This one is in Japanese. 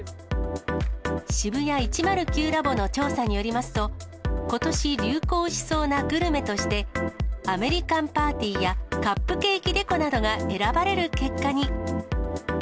シブヤ１０９ラボの調査によりますと、ことし流行しそうなグルメとして、アメリカンパーティーやカップケーキデコなどが選ばれる結果に。